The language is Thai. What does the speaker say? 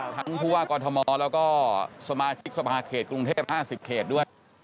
ทั้งคุณผู้ว่ากรธมแล้วก็สมาชิกสมหาเขตกรุงเทพ๕๐เขตด้วย